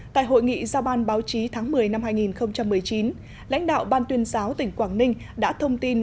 tại hội nghị giao ban báo chí tháng một mươi năm hai nghìn một mươi chín lãnh đạo ban tuyên giáo tỉnh quảng ninh đã thông tin